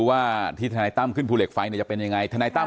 อยากให้พี่ตั้มยืนยันในส่วนของพี่ตั้มเองนะครับ